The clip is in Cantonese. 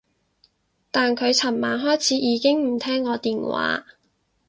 但佢噚晚開始已經唔聽我電話